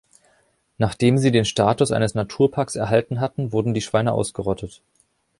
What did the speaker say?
Nachdem sie den Status eines Naturparks erhalten hatten, wurden die Schweine ausgerottet.